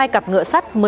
hai cặp ngựa sắt